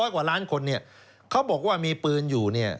๓๐๐กว่าล้านคนเขาบอกว่ามีปืนอยู่